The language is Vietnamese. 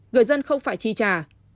người dân không phải tri trả